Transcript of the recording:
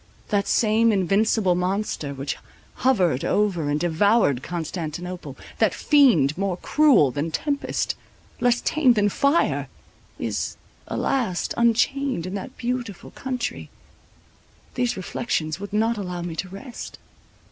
—That same invincible monster, which hovered over and devoured Constantinople—that fiend more cruel than tempest, less tame than fire, is, alas, unchained in that beautiful country—these reflections would not allow me to rest.